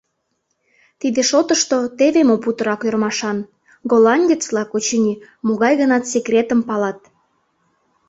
Тиде шотышто теве мо путырак ӧрмашан: голландец-влак, очыни, могай гынат секретым палат.